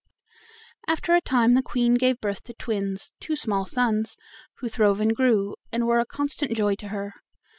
After a time the Queen gave birth to twins, two small sons, who throve and grew, and were a constant joy to her.